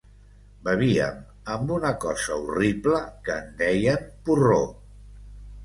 Bevíem amb una cosa horrible que en deien «porró».